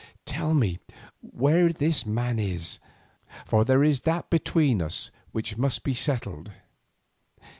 Tell me where this man is, for there is that between us which must be settled."